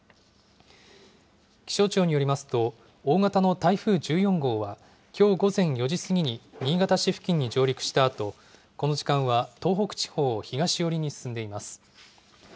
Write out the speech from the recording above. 気象庁によりますと、大型の台風１４号は、きょう午前４時過ぎに新潟市付近に上陸したあと、この時間は東北地方を東寄りに進んでいます。